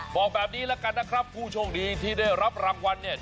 บอกแบบนี้แล้วกันนะครับผู้โชคดีที่ได้รับรางวัลเนี่ย